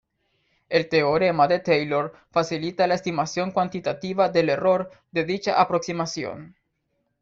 El Teorema de Taylor facilita la estimación cuantitativa del error de dicha aproximación.